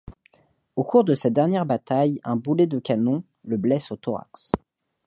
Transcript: Au cours de cette dernière bataille, un boulet de canon le blesse au thorax.